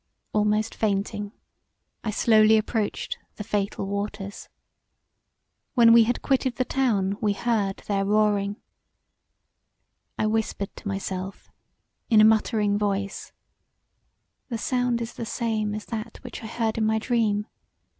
Almost fainting I slowly approached the fatal waters; when we had quitted the town we heard their roaring[.] I whispered to myself in a muttering voice "The sound is the same as that which I heard in my dream.